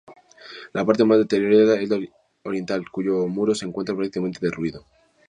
La parte más deteriorada es la oriental, cuyo muro se encuentra prácticamente derruido.